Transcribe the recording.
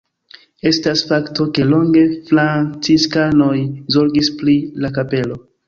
Estas fakto, ke longe franciskanoj zorgis pri la kapelo.